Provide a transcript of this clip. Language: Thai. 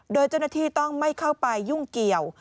โดยเจ้าหน้าที่ต้องไม่เข้าไปยุ่งเกี่ยว